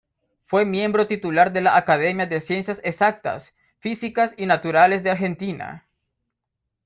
Fue miembro titular de la Academia de Ciencias Exactas, Físicas y Naturales de Argentina.